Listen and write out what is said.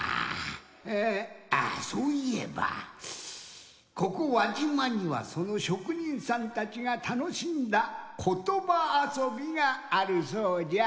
えぇあそういえばここ輪島にはそのしょくにんさんたちがたのしんだことばあそびがあるそうじゃ。